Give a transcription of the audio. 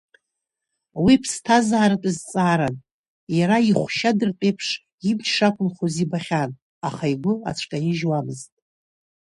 Уи ԥсҭазааратә зҵааран, иара ихәшьадыртә еиԥш имч шақәымхоз ибахьан, аха игәы ацәкаижьуамызт.